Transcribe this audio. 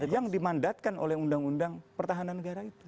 yang dimandatkan oleh undang undang pertahanan negara itu